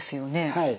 はい。